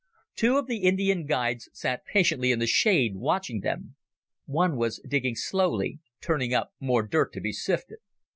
Two of the Indian guides sat patiently in the shade, watching them. One was digging slowly, turning up more dirt to be sifted.